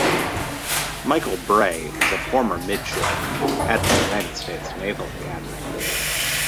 Michael Bray is a former Midshipman at the United States Naval Academy.